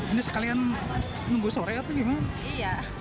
ini sekalian nunggu sore atau gimana